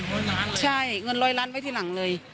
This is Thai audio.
ร้อยล้านใช่เงินร้อยล้านไว้ทีหลังเลย